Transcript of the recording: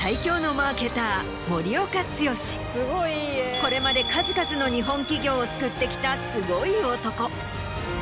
これまで数々の日本企業を救ってきたすごい男。